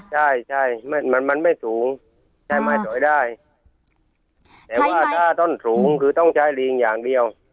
ใช่ใช่มันมันไม่สูงใช้ไม้ถอยได้แต่ว่าถ้าต้นสูงคือต้องใช้ลิงอย่างเดียว